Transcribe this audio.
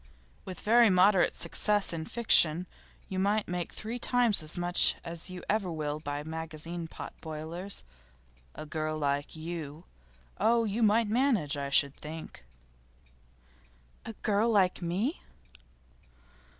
With very moderate success in fiction you might make three times as much as you ever will by magazine pot boilers. A girl like you. Oh, you might manage, I should think.' 'A girl like me?